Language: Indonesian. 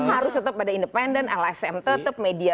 harus tetap ada independen lsm media